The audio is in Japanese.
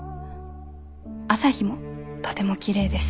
朝日もとてもきれいです。